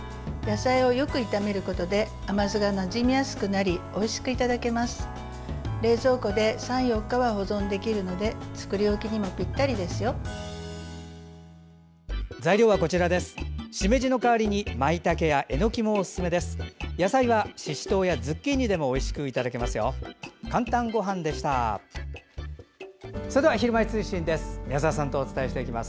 しめじの代わりにまいたけやえのきもおすすめです。